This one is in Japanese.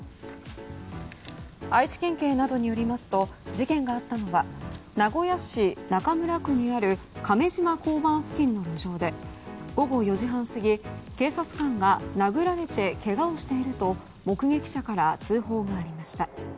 愛知県警などによりますと事件があったのは名古屋市中村区にある亀島交番付近の路上で午後４時半過ぎ警察官が殴られてけがをしていると目撃者から通報がありました。